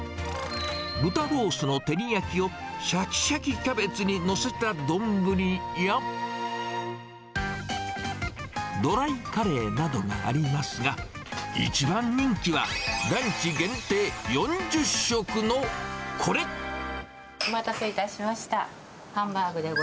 豚ロースの照り焼きをしゃきしゃきキャベツに載せた丼や、ドライカレーなどがありますが、一番人気は、お待たせいたしました。